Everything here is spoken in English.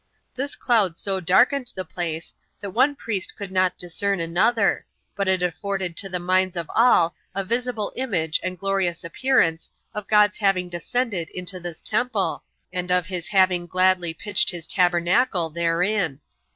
This cloud so darkened the place, that one priest could not discern another, but it afforded to the minds of all a visible image and glorious appearance of God's having descended into this temple, and of his having gladly pitched his tabernacle therein.